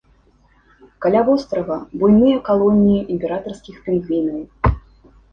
Каля вострава буйныя калоніі імператарскіх пінгвінаў.